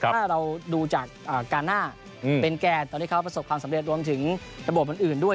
ถ้าเราดูจากการหน้าเป็นแกนตอนที่เขาประสบความสำเร็จรวมถึงระบบอื่นด้วย